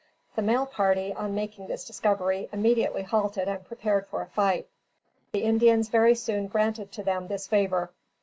The mail party, on making this discovery, immediately halted and prepared for a fight. The Indians very soon granted to them this favor.